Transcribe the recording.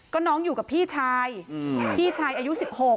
ก็น้องอยู่กับพี่ชายพี่ชายอายุ๑๖